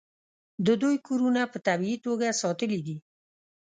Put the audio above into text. د دوی کورونه په طبیعي توګه ساتلي دي.